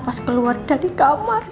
pas keluar dari kamar